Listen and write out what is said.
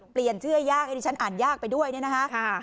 เปลี่ยนชื่อยากให้ดิฉันอ่านยากไปด้วยเนี่ยนะคะ